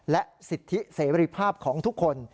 และสิทธิเสรีภาพของทุกคน